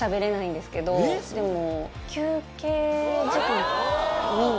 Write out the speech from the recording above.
でも。